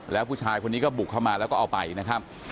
แล้วผู้ชายคนนี้ก็บุกเข้ามาแล้วก็เอาไปนะครับ